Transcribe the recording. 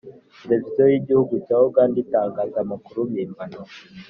Televiziyo y’igihugu cya Uganda itangaza amakuru mpimbano